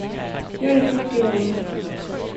Gör dig fort i ordning.